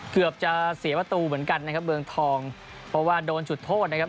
เกือบจะเสียประตูเหมือนกันนะครับเมืองทองเพราะว่าโดนจุดโทษนะครับ